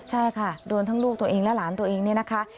ใช่ค่ะโดนทั้งลูกตัวเองและหลานตัวเองเนี่ยนะคะ